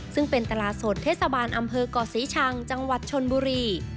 ซึ่งเป็นตลาดสดเทศบาลอำเภอก่อศรีชังจังหวัดชนบุรี